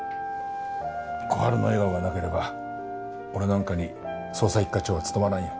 小春の笑顔がなければ俺なんかに捜査一課長は務まらんよ。